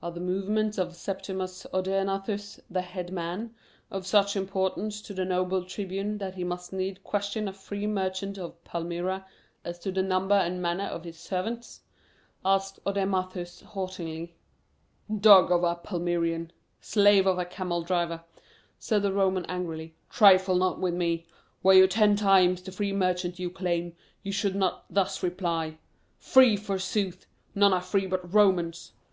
"Are the movements of Septimus Odaenathus, the head man, of such importance to the noble tribune that he must needs question a free merchant of Palmyra as to the number and manner of his servants?" asked Odaemathus haughtily. "Dog of a Palmyrean; slave of a camel driver," said the Roman angrily, "trifle not with me. Were you ten times the free merchant you claim, you should not thus reply. Free, forsooth! None are free but Romans."